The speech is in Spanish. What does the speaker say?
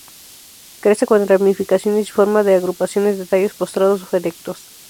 Crece con ramificaciones y forma agrupaciones de tallos postrados o erectos.